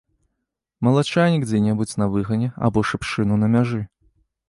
Малачайнік дзе-небудзь на выгане або шыпшыну на мяжы.